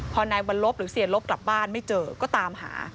พอนายวัลลบหรือเสียลบกลับบ้านไม่เจอก็ตามหา